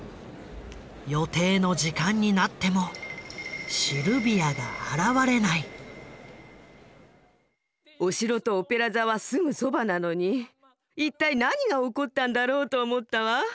予定の時間になってもお城とオペラ座はすぐそばなのに一体何が起こったんだろうと思ったわ。